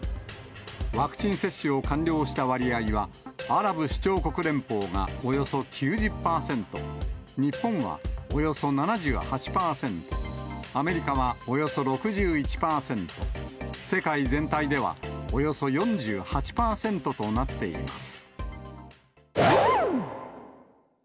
ワクチン接種を完了した割合は、アラブ首長国連邦がおよそ９０％、日本はおよそ７８％、アメリカはおよそ６１％、世界全体ではおよそ４８％となっています。